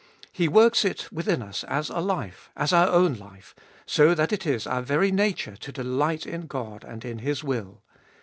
He works it within us as a life, as our own life, so that it is our very nature to delight in God and in His will.